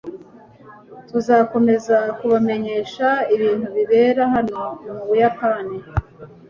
tuzakomeza kubamenyesha ibintu bibera hano mu buyapani